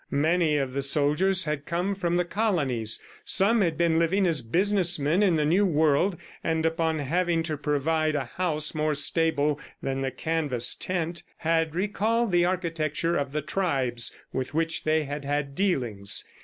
Many of the soldiers had come from the colonies; some had been living as business men in the new world, and upon having to provide a house more stable than the canvas tent, had recalled the architecture of the tribes with which they had had dealings.